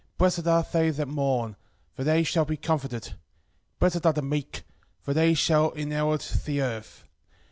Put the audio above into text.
Blessed are they that mourn: for they shall be comforted. Blessed are the meek: for they shall inherit the earth.